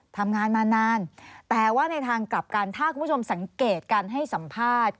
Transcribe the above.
ทำงานมานานแต่ว่าในทางกลับกันถ้าคุณผู้ชมสังเกตการให้สัมภาษณ์